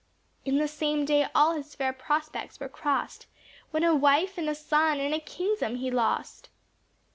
In the same day all his fair prospects were crossed, When a wife, and a son, and a kingdom he lost.